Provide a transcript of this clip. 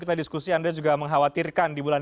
kita diskusi anda juga mengkhawatirkan di bulan